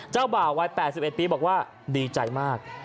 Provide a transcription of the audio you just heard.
บ่าววัย๘๑ปีบอกว่าดีใจมาก